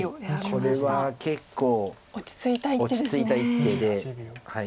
これは結構落ち着いた一手で。